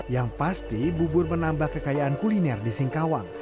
yang pasti bubur menambah kekayaan kuliner di singkawang